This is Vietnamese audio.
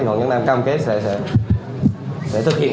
hoàng nhất nam cam kết sẽ thực hiện được cái tính nhiệm và nghĩa vụ của mình